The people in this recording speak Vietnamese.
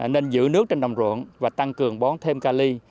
nên giữ nước trên đồng ruộng và tăng cường bón thêm ca ly